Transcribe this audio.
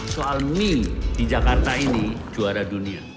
soal mie di jakarta ini juara dunia